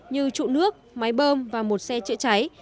như trụ nước máy bơm và một xe chữa cháy